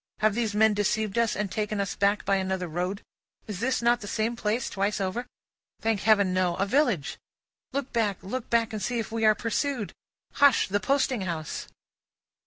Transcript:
Have these men deceived us, and taken us back by another road? Is not this the same place twice over? Thank Heaven, no. A village. Look back, look back, and see if we are pursued! Hush! the posting house.